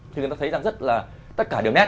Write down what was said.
thì người ta thấy rằng rất là tất cả đều nét